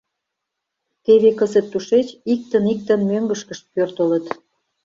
Теве кызыт тушеч иктын-иктын мӧҥгышкышт пӧртылыт.